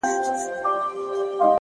o هغه چي ماته يې په سرو وینو غزل ليکله؛